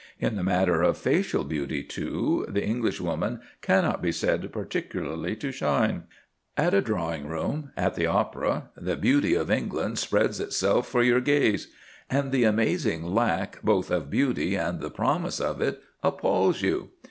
In the matter of facial beauty, too, the Englishwoman cannot be said particularly to shine. At a Drawing Room, at the opera, the beauty of England spreads itself for your gaze; and the amazing lack both of beauty and the promise of it appals you.